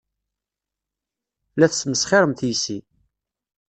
La tesmesxiremt yes-i.